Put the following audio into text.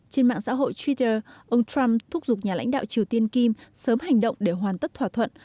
trên mạng xã hội twitter ông trump thúc giục nhà lãnh đạo triều tiên kim sớm hành động để hoàn tất thỏa thuận